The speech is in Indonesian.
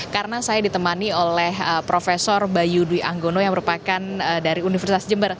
karena saya ditemani oleh profesor bayu dwi anggono yang merupakan dari universitas jember